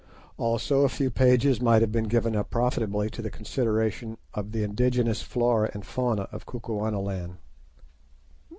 Also a few pages might have been given up profitably to the consideration of the indigenous flora and fauna of Kukuanaland.